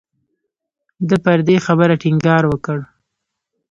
ده پر دې خبرې ټینګار وکړ.